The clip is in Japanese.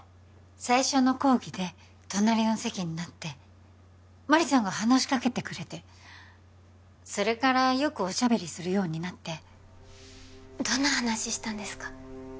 最初の講義で隣の席になって真理さんが話しかけてくれてそれからよくおしゃべりするようになってどんな話したんですか？